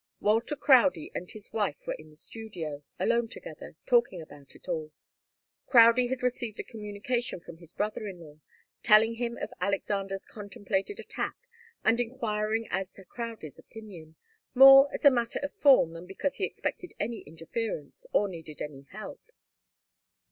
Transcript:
Walter Crowdie and his wife were in the studio, alone together, talking about it all. Crowdie had received a communication from his brother in law, telling him of Alexander's contemplated attack and enquiring as to Crowdie's opinion, more as a matter of form than because he expected any interference or needed any help.